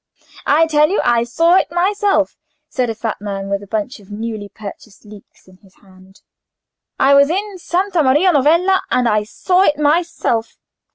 "I tell you I saw it myself," said a fat man, with a bunch of newly purchased leeks in his hand. "I was in Santa Maria Novella, and saw it myself.